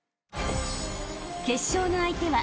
［決勝の相手は］